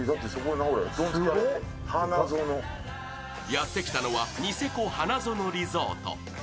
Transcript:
やってきたのはニセコハナゾノリゾート。